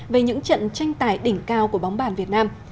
về những trận tranh tài đỉnh cao của bóng bàn việt nam